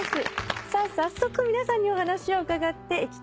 早速皆さんにお話を伺っていきたいと思います。